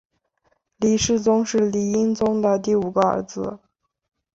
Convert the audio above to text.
黎世宗是黎英宗的第五个儿子。